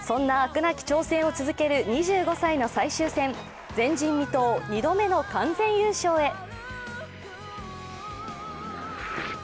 なき挑戦を続ける２５歳の最終戦、前人未到、２度目の完全優勝へ。